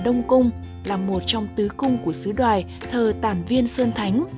đông cung là một trong tứ cung của sứ đoài thờ tản viên sơn thánh